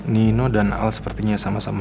nino dan al sepertinya sama sama